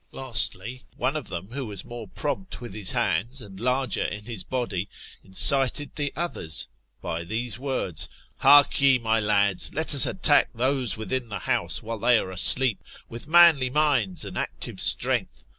Lastly, one of them who was more prompt with his hands and larger in his body, incited the others by these words. Hark ye, my lads, let us attack those within the house while they are asleep, with manly minds and active strength.